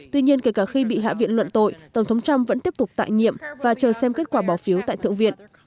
tuy nhiên kể cả khi bị hạ viện luận tội tổng thống trump vẫn tiếp tục tại nhiệm và chờ xem kết quả bỏ phiếu tại thượng viện